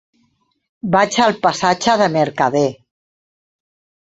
Vaig al passatge de Mercader.